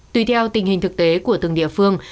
tùy theo tình hình thực tế của từng địa phương